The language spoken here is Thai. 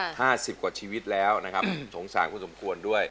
ห้าสิบกว่าชีวิตแล้วนะครับสงสารคุณสมควรด้วย